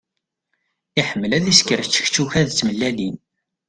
Iḥemmel ad isker čekčuka d tmellalin.